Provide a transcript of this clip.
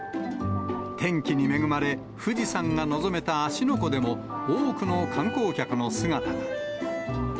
天気に恵まれ、富士山が望めた芦ノ湖でも、多くの観光客の姿が。